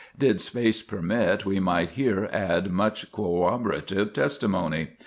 Did space permit, we might here add much corroborative testimony.